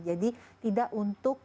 jadi tidak untuk